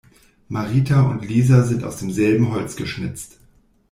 Marita und Lisa sind aus demselben Holz geschnitzt.